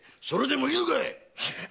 それでもいいのか